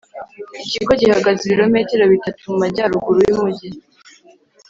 ikigo gihagaze ibirometero bitatu mumajyaruguru yumujyi.